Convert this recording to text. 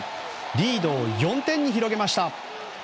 リードを４点に広げました。